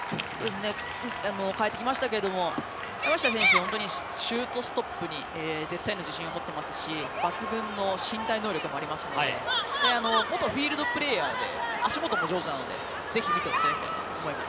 代えてきましたけど山下選手、シュートストップに自信を持っていますし抜群の身体能力もありますので元フィールドプレーヤーで足元も上手なので見ていただきたいと思います。